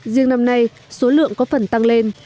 riêng năm nay số lượng có phần tăng lên